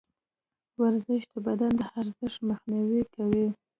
ورزش د بدن د زړښت مخنیوی کوي.